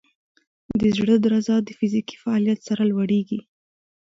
د زړه درزا د فزیکي فعالیت سره لوړېږي.